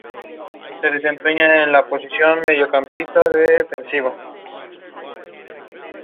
Caltrain does not allow bicycles to be locked on board.